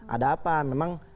ada apa memang